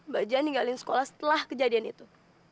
baja ninggalin sekolah setelah kejadian itu